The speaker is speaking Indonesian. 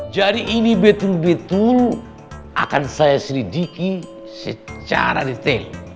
jadi ini betul betul akan saya selidiki secara detail